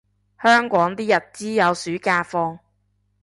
香港啲日資有暑假放